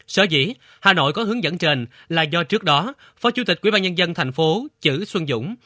sở dĩ hà nội có hướng dẫn trên là do trước đó phó chủ tịch quỹ ba nhân dân thành phố chữ xuân dũng